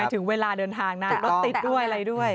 ถึงเวลาเดินทางนะรถติดด้วยอะไรด้วย